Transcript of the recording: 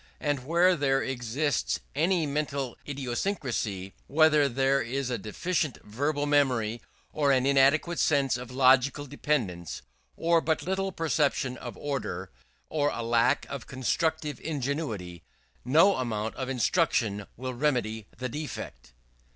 And where there exists any mental idiosyncrasy where there is a deficient verbal memory, or an inadequate sense of logical dependence, or but little perception of order, or a lack of constructive ingenuity; no amount of instruction will remedy the defect.